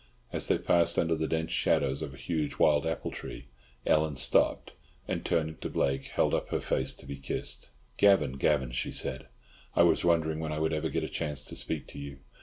As they passed under the dense shadows of a huge wild apple tree, Ellen stopped and, turning to Blake, held up her face to be kissed. "Gavan, Gavan!" she said. "I was wondering when I would ever get a chance to speak to you.